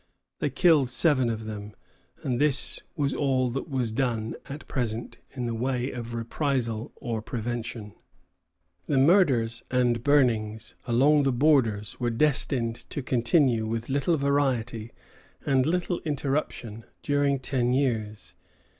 They killed seven of them; and this was all that was done at present in the way of reprisal or prevention. The murders and burnings along the borders were destined to continue with little variety and little interruption during ten years.